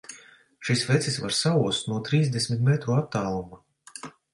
Šis vecis var saost no trīsdesmit metru attāluma!